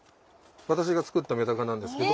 私が作ったメダカなんですけど。